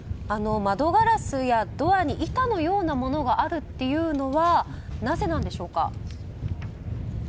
窓ガラスやドアに板のようなものがあるというのはなぜなんでしょうか？